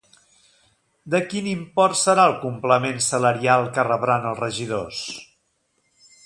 De quin import serà el complement salarial que rebran els regidors?